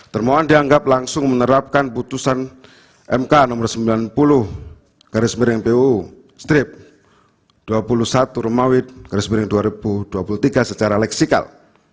termohon dianggap langsung menerapkan putusan mk nomor sembilan puluh garis miring pu strip dua puluh satu rumawit garis miring dua ribu dua puluh tiga secara leksikal